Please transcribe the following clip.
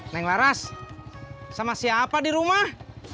naik laras sama siapa di rumah